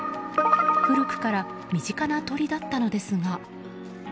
古くから身近な鳥だったのですが。